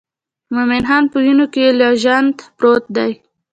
مومن خان په وینو کې لژند پروت دی.